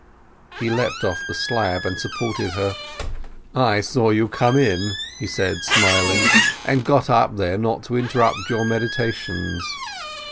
He leapt off the slab and supported her. "I saw you come in," he said smiling, "and got up there not to interrupt your meditations.